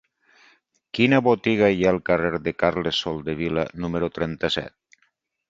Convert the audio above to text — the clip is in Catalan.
Quina botiga hi ha al carrer de Carles Soldevila número trenta-set?